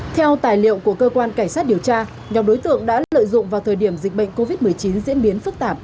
theo tài liệu của cơ quan cảnh sát điều tra nhóm đối tượng đã lợi dụng vào thời điểm dịch bệnh covid một mươi chín diễn biến phức tạp